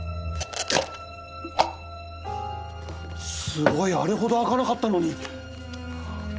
すごいあれほど開かなかったのに。